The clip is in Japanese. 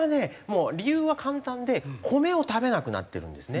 もう理由は簡単で米を食べなくなってるんですね。